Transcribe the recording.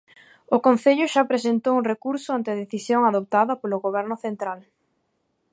O Concello xa presentou un recurso ante a decisión adoptada polo Goberno central.